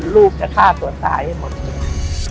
ลูกจะฆ่าตัวตายให้หมดเลย